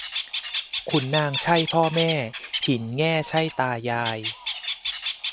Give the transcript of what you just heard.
ขุนนางใช่พ่อแม่ หินแง่ใช่ตายาย